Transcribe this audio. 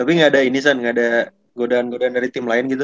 tapi gak ada ini san gak ada godaan godaan dari tim lain gitu